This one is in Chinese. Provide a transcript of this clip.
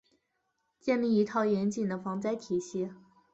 建立一套严谨的防灾体系